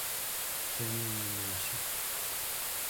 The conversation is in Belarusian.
Сёння і не мыўся.